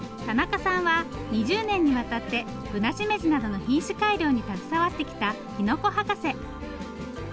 田中さんは２０年にわたってぶなしめじなどの品種改良に携わってきたきのこ博士。